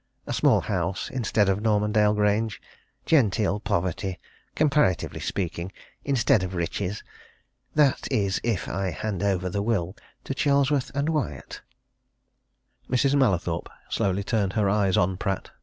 A small house instead of Normandale Grange. Genteel poverty comparatively speaking instead of riches. That is if I hand over the will to Charlesworth & Wyatt." Mrs. Mallathorpe slowly turned her eyes on Pratt.